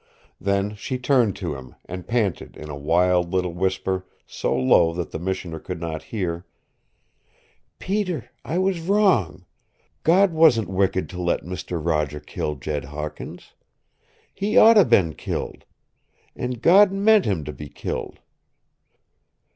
Then she turned to him, and panted in a wild little whisper, so low that the Missioner could not hear: "Peter, I was wrong. God wasn't wicked to let Mister Roger kill Jed Hawkins. He oughta been killed. An' God meant him to be killed.